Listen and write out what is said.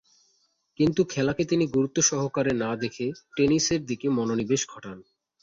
কিন্তু খেলাকে তিনি গুরুত্ব সহকারে না দেখে টেনিসের দিকে মনোনিবেশ ঘটান।